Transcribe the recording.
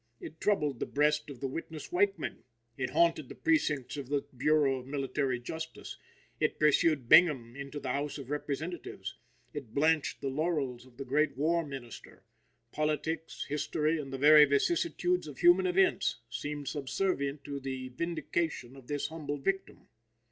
It troubled the breast of the witness Weichman. It haunted the precincts of the Bureau of Military Justice. It pursued Bingham into the House of Representatives. It blanched the laurels of the great War Minister. Politics, history and the very vicissitudes of human events seemed subservient to the vindication of this humble victim.